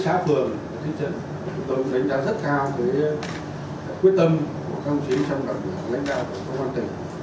chúng tôi đánh giá rất cao quyết tâm của công chí trong đảng lãnh đạo công an tỉnh